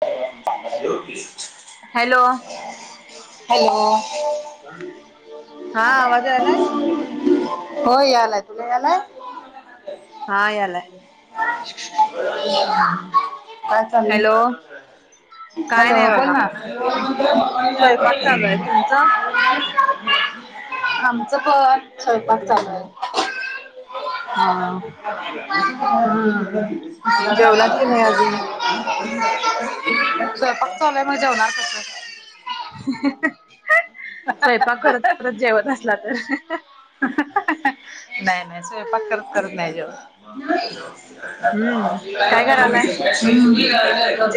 बां. हॅलो हा आवाज यायलाय. हो यालाय तुला यालाय. हा यालाय. काय चाललंय. हॅलो काय हॅलो नाही बोल बघा ना. स्वयंपाक चालू आहे तुमचा आमचं पण स्वयंपाक चालू आहे. हा ह. जेवला की नाही अजून. स्वयंपाक चालू मग जेवणार कसं. स्वयंपाक करत करत जेवत असला तर नाही नाही स्वयंपाक करत करत नाही जेवत. हम्म काय करायलाय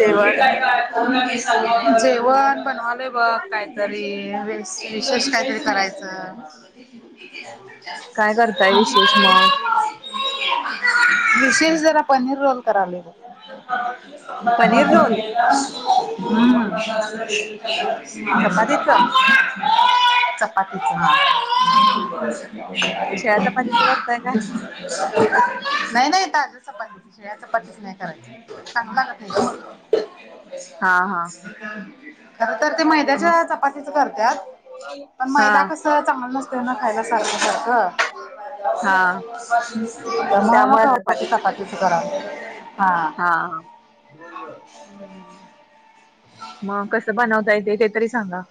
जेवण जेवण बनवालंय बघ काय तरी वि विशेष काहीतरी करायचं. ह. काय करताय विशेष मग विशेष जरा पनीर रोल करालोय बघ. पनीर रोल [unintelligible] हम. चपातीच. चपाती हा. त्या शेळ्या चपातीच करताय काय नाही नाहीताजी चपाती. शिळ्या चपाती च नाही करायची चांगल लागत नाही ग. हा हा. खर तर ते मग मैद्याच्या चपातीच करत्यात. पण हा मैदा कस चांगलं नसत ना खायला सारख सारखं. हा तर म त्यामुळे म काय चपातीच गरम हा [unintelligible] हा. ब ब. [unintelligible] ह. मग कसं बनवता येते ते तरी सांगा.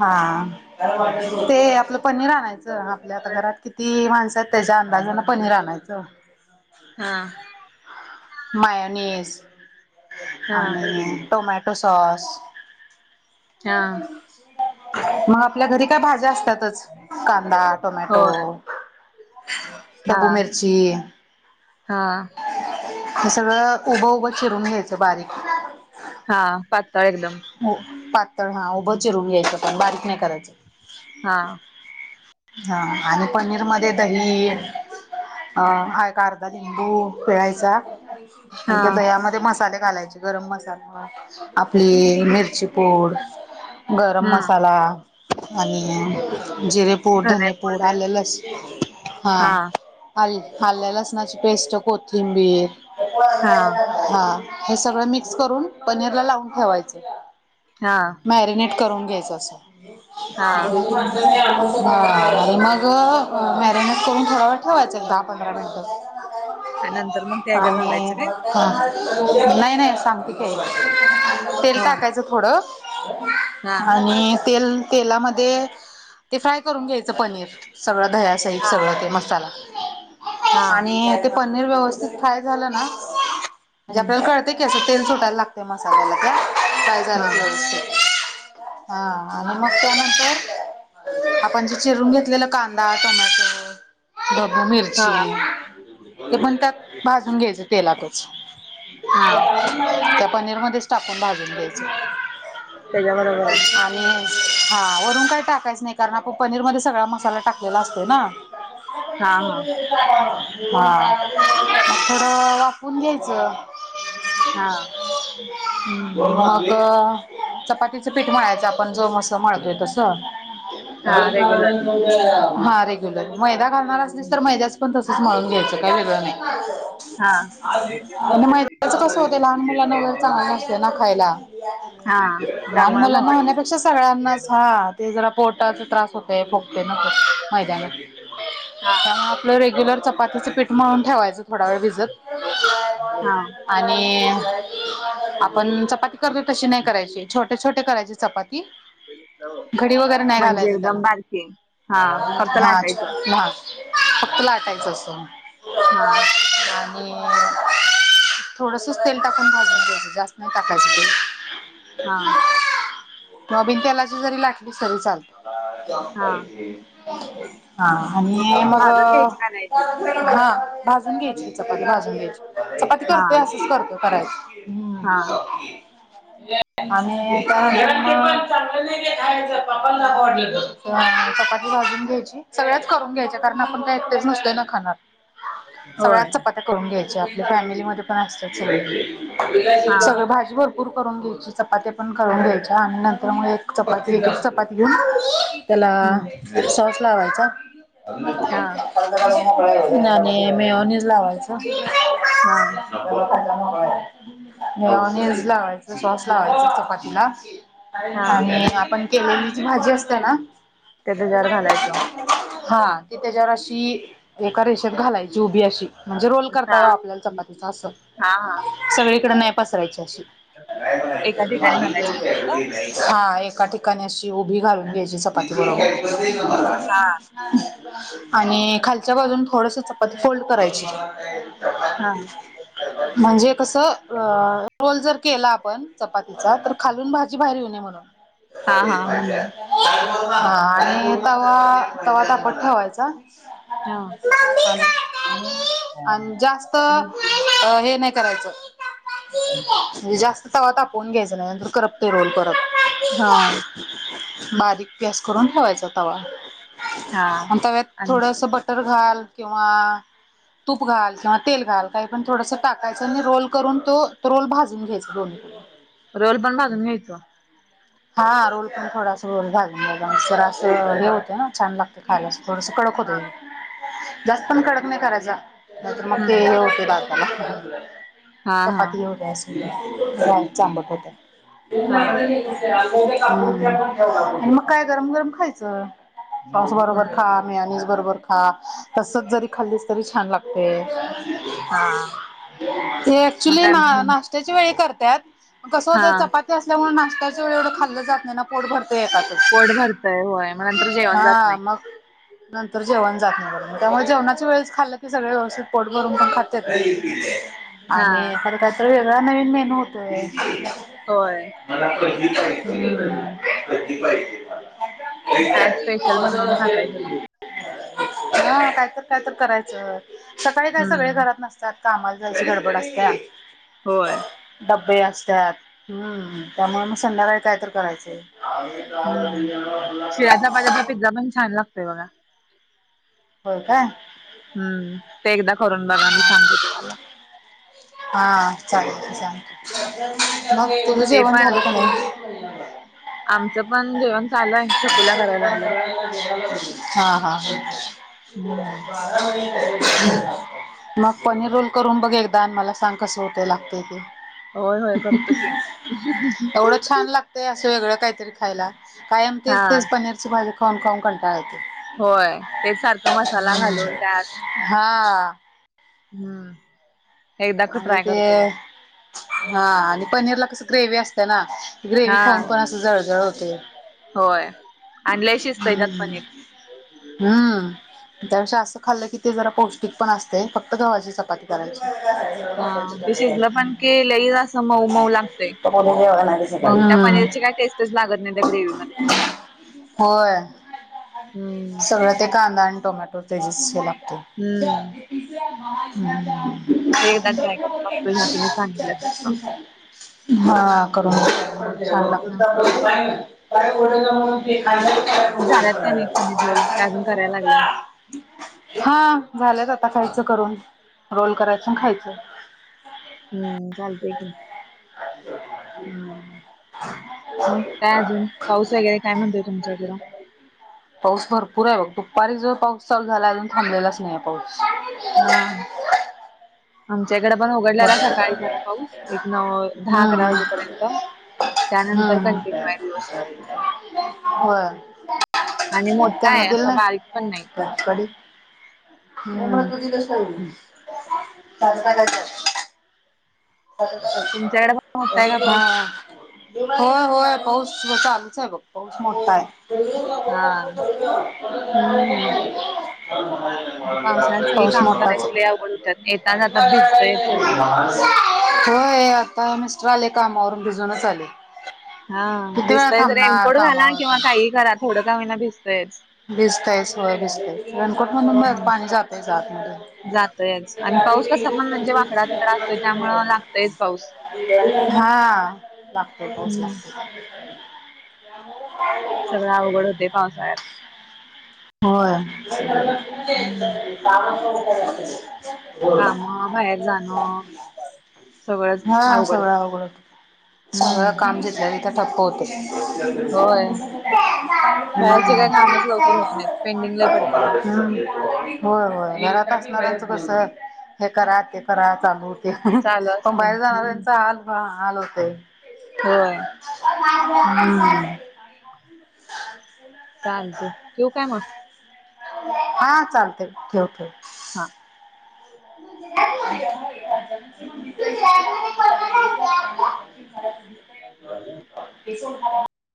हा ते आपलं पनीर आणायचं आपल्या आता घरात किती माणसात त्याच्या अंदाजाने पणीर आणायचं. हा. मायोनिस हा आणि टोमॅटो सॉस हा. मग आपल्या घरी काय भाज्या असतातच कांदादा टोमॅटो होय हा लघू मिरचीी हा हे सगळं उभं उभं चिरून घ्यायचं बारीक हा पातळ एकदम पातळ हा उभं चिरून घ्यायचं पण बारीक नाही करायचं हा हा आणि पनीर, मध्ये दही अं हा एक अर्धा लिंबू पिळायचा हा आणि त्या दह्यामध्ये मसाले घालायचे गरम मसाला आपली मिरची पूड गरम हम्म मसाला आणि जरे पूड धने पूड आले लसूण हा हां आल्या लसणाची पेस्ट कोथिंबीर हा हा हे सगळं मिक्स करून पनीर ला लावून ठेवायचं हा मॅरिनेट करून घ्यायचां असं हा आणि मग मॅरिनेट करून थोडं व ठेवायचं एक दहा पंधरा मिनिटं आणि नंतर मग त्या ह्याच्यात आणि घालायचं काय हां नाही नाही सांमतिकही तेल हा टाकायचं थोडं हा आणि तेल तेलामध्ये ते फ्राय करून घ्यायचं पनीर सगळं दह्यासहित हा सगळं ते मसाला हा आणि पनीर व्यवस्थित, फ्राय झालं ना म्हणजे हम्म आपल्याला कळ क असं तेल सुटायला लागत मसाल्याला का, फ्राय हा झालं की व्यवस्थित हा आणि मग त्यानंतर आपण जे चिरून घेतलेला कांदा टोमॅटो ढब्बू हा मिरची ते पण त्यात भाजून घ्यायचं तेलातच हा त्या पनीर मच टाकून भाजून घ्यायचं त्याच्या बरोबरच. हा वरून काही टाकायच नाही कारण आपण पनीर मध्ये सगळा मसाला टाकलेला असतो ना. श. हा हा हा मग थोडं वापून घ्यायचं. हा. आता. चपातीचं पीठ म्हळायचं आपण जो मस मळतोय तस. हा रेग्युलर हा रेग्युलर मैदा घालणार असलीस तर मैद्याच पण. माळून घ्यायचं काय वेगळं नाही. हा आणि मैच कस होत लहान मुलांना वर चांगलं नसत ना खायला. हा लहान त्यामुळे मुलांना घावायचं होण्यापेक्षा सगळ्यांनाच हा ते जरा पोटाचा त्रास. प भोगते नकोच मैदाना. हा त्या आपलं रेग्युलर चपात्याचं पीठ माळून ठेवायचं थोडा वेळ भिजत. हा आणि आपण चपाती करतो तशी नाही करायची. छोटे छोटे करायची चपाती घडी वगैरे नाही म्हणजे घालायच त्याला.. एकदम बारकी हा फक्त हा लाटायचं ह फक्त लाटायचं असं. हा आणि थोडसच तेल टाकून भाजून घ्यायचं जास्त नाही टाकायचं तेल. हा नवीन त्याला ज जरी लाटली तरी चालते. हा हा आणि मग. भाजून घ्यायची का नाही ती हा भाजून घ्यायची चपाती भाजून घ्यायची चपाती हा करतोय असंच करतोय करायची. हा हम्. चांगलं नाहीच प्पन दाख वाटलं तर. चपाती भाजून घ्यायची सगळ्याच करून घ्यायच्या कारण आपण काय एकटेच नसते ना खाणार. सगळ्यात होय चपात्या करून घ्यायची आपल्या फॅमिलीमध्ये. हा स भाजी भरपूर करून घ्या. चपाती पण करून घ्यायच्या आणि नंतर मु एक चपाती एक चपाती घेऊन त्याला. हम्म सस लावायचा. हा. आणि मे निज लावायच. हा ऑनयन लायच सॉस लायच चपाती ला. हा आपण केलेली भाजी असते ना. त्या बजवर घालायचं. हा ती त्याच्यावर अशी. एका रेषेत घालायची उभी अशी म्हणजे रोल करता हा येव आपल्याला चपातीचा असं. हा हा सगळीकड नाही पसरायची अशी. एका ठिकाणी घालायचं ना फक्त हा एका ठिकाणी अशी उभी घालून घ्यायची चपाती बरोबर. हा आणि खालच्या बाजून थोडस चपाती फोल्ड करायची. हा म्हणजे कस अ रोल जर केला आपण चपाती. त तर खालून भाजी बाहेर येऊणे म्हणून. हा हा म्हणून हा आणि तवा तवा तापट ठेवायचा. हा. आणि जास्त हे नाही करायचं. म्हणजे जास्त तवा तापवून घ्यायच नाही नंतर करप ते रोल करत. हा बारीक प्यास करून ठेवायचा तवा हा आणि तव्यात आणि थोडस बट. तर घाल किंवा. तूप घाल किंवा तेल घाल काही पण थोडंसं टाकायचं आणि रोल करून तो रोल भाजून घ्यायचा दोन्ही. हो. रोल पण बजून घ्यायचो. हा रोल पण थोडासा रोल भाूनस अस हे हा होते ना छान लागत. खायला थोडस कडक होत हा जास्त पण कडक नाही करायचा. म म हम्म ओतेे राहला हा हा चपात होते अस. ब चांबक होत. हा मग काय गरम गरम खायचं पावास बरोबर हम्म खात. म बरोबर खा तसच जरी खाल्लीस तरी छान लागते. हा. हे मग ऍक्च्युली काय नाशत्याच्या वेळी करतात कस होत हा चपी ते असल्यामुळे नाशत्याच वे एवढं खल्लं जात नाही ना पोट भर येतात. पोट भरतय होय मग नंतर जेवण जात हा नाही. मग नंतर जेवण जातण्याून त्यामुळे जेवणाच्या वेळेच खाल्लं की सगळे व्यवस्थित पोट भरून पण खात. हा आणि खरं काहीत वेगळा नवीन मेनू होतोय. होय. मला कधी पाहिजे कधी पाहिजे मला मग काय स्पेशल बनवून खाताय तुम्ही? ह कायत कायत करायचं. सकाळी का सगळे हम्म. घरात नसतात कामाला जायची गडबड असते. होय. डब्बे असतात हम्म त्यामुळे मग संध्याकाळी काय तर करायचं. हम्म शिळचा पात्याचा पेझ्झा पण छान लागतोय बघा. हो का. हम्म ते एकदा करून बघा मी सांगते तुम्हाला हा चालेल सांगत मग तुझं ते जेवण पण झालं का नाही. आमचं पण जेवण. चालू आहे. छकुल्या करायला लागल्यात. हा हा ह. हम्म. बार मणी [inaudible] मग पनीर रोल करून बघ एकदा मला सांग कसं होत लागतेय ते. होय होय हं करतो की. हं एवढं छान लाग ते असं वेगळं काहीतरी खायला कायम तेच हा. तेच पनीरची भाजी खान खाऊन कंटाळते. होय तेच सारख मसाला घालून त्यात हा हम्म. एकदा क आणि ट्राय ते करतो घ्या. हा आणि पनीर ला कस ग्रेवी असते ना. ग्रेवी खाऊन हा. पण असं जळजळ होतेय. होय. आणि लय शिजतंय त्यात पनीर. हम्म. त्यापेक्षा असं खाल्लं की ते जरा पौष्टिक पण असतेय फक्त गव्हाची चपाती करायची. हा ते शिजलं पण केलंही असं मऊ मऊ लागतय मग त्या हम्म पनीरची काय टेस्ट. तेच लागत नाही त्या ग्रेव मध्ये. होय हम्म सगळं ते कांदा आणि टोमॅटो तेजस हे लागतेय. हम्म तिस्या मष्ट [inaudible] हे एकदा ट्राय करून बघतो ह्या तुम्ही सांगितलं सारखं. हा करून [inaudible] हा. [inaudible] हा मग झाल्यात काय नाही पनीर रोल काय अजून करायला लागलाय? झालंच आता खायचं करून रोल करायचं खायचं. हम्म चालतय की. हम् [inaudible] मग काय अजून पाऊस वगैरे काय म्हणतोय तुमच्या इकड. पाऊस भरपूर आहे बघ दुपारी जर पाऊस चालू झाला अजून थांबलेलाच नाही पाऊस. हा. आमच्या इकडे पण उघडलेला भरपूर सकाळी सरा पाऊस एक न दहा अकरा हम्म वाजेपर्यंत. त्यानंतर कंटिन्यू आहे दिवसभर. हो आणि मोठा त्यांना आहे दिल असा नाय. बारीक पण नाही. ते फक्त दिलंच ठेवून त्याचं काय करतेस. तुमच्याकडे पण [inaudible] मोठा आहे का पाऊस? होय होय पाऊस चालूच आहे बघ पाऊस मोठा आहे. हा. हम्म. आता पावसाळ्यात सगळी पाऊस कामं मोठाच करायची लय आहे. अवघड होत्यात येता जाता भिजतयच सगळं. [inaudible] होय आता मिस्टर आले कामावरून बिझूनच आलेत. हा भिसतयच रेनकोट घाला कामावर किंवा काही करा थोडं का मना भिसतयच. भिजतायस वय भिजतास रेनकोट मधून परत पाणी जातायस आतमध्ये. जातयच आणि पाऊस कसा पण म्हणजे वाकडा तिकडा असतोय त्यामुळे लागतयच पाऊस. हा लागतोय पाऊस हम्म लागतो. सगळं अवघड होते पावसाळ्यात. होय. हम्म काम बाहेर जाणं. सगळंच हा सगळं होतय. अवघड होते सगळं हम्म काम जितल्या तिथे. त्यात ठप्प होतेय. होय बाहेरचे काय कामच [inaudible] लवकर होत नाहीत पेंडिंग ह् लय पडतात मग. होय होय घरात असणाऱ्यांचं कस हे करा ते करा चालू होतं. त्या हम्म चालू पण असतय बाहेर हम्म जाणाऱ्यांचा हाल म हाल होतय. होय. हम्म. [inaudible] चालतंय ठेवू काय मग. हा चालते ठेव ठेव हा [unintelligible] [unintelligible]